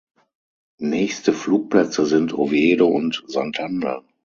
Nächste Flugplätze sind Oviedo und Santander.